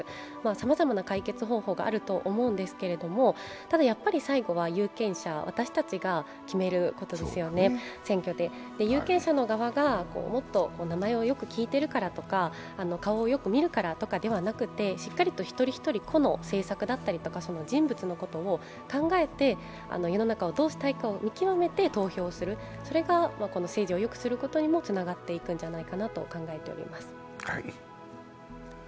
さまざまな解決方法があると思うんですけれども、ただ、最後は有権者、私たちが決めることですよね、選挙で、有権者の側がもっと名前をよく聞いてるからとか顔をよく見るからというのではなくてしっかりと一人一人、個の政策だったりとか、人物のことを考えて、世の中をどうしたいかを見極めて投票する、それがこの政治をよくすることにもつながるんじゃないかなと思います。